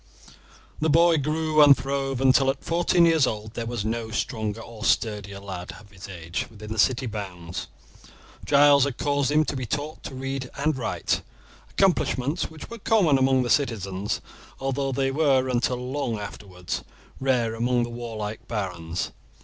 The boy grew and throve until at fourteen years old there was no stronger or sturdier lad of his age within the city bounds. Giles had caused him to be taught to read and write, accomplishments which were common among the citizens, although they were until long afterwards rare among the warlike barons.